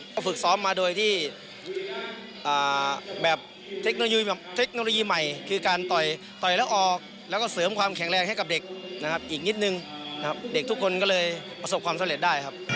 ก็ฝึกซ้อมมาโดยที่แบบเทคโนโลยีแบบเทคโนโลยีใหม่คือการต่อยแล้วออกแล้วก็เสริมความแข็งแรงให้กับเด็กนะครับอีกนิดนึงนะครับเด็กทุกคนก็เลยประสบความสำเร็จได้ครับ